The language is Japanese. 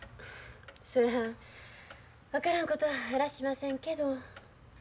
そら分からんことはあらしませんけど。